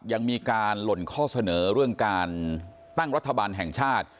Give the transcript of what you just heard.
ยังมีการหล่นข้อเสนอเรื่องการตั้งรัฐบาลแห่งชาติ